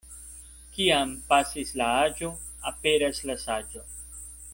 Kiam pasis la aĝo, aperas la saĝo.